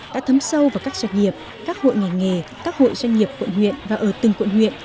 đã thấm sâu vào các doanh nghiệp các hội nghề nghề các hội doanh nghiệp quận nguyện và ở từng quận nguyện